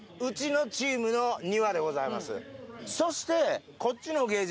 そしてこっちのケージ。